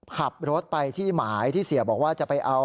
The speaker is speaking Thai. ขับรถไปที่หมายที่เสียบอกว่าจะไปเอา